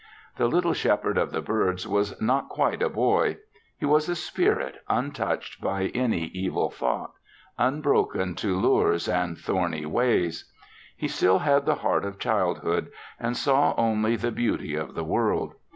The little Shepherd of the Birds was not quite a boy. He was a spirit untouched by any evil thought, unbroken to lures and thorny ways. He still had the heart of childhood and saw only the beauty of the world.